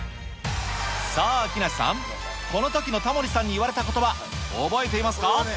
さあ、木梨さん、このときのタモリさんに言われたことば、覚えていますか？